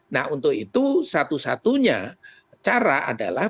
nah untuk itu satu satunya cara adalah